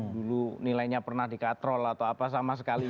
dulu nilainya pernah dikatrol atau apa sama sekali